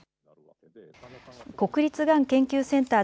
国立がん研究センター